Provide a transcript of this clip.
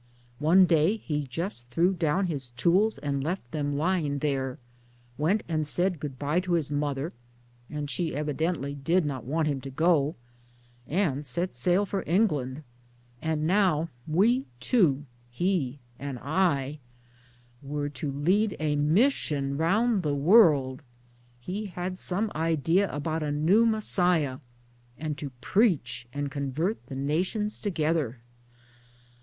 One day he just threw down his tools and left them lying there, went and said good bye to his mother (and she evidently did not want him to go) and set sail for England. And now we two (he and I) were to lead a mission round the world he had some idea about a new Messiah and to preach and convert the nations together.